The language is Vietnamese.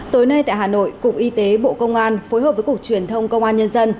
tối nay tại hà nội cục y tế bộ công an phối hợp với cục truyền thông công an nhân dân